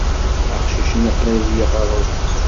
Aqcic-nni qrib yeɣreq.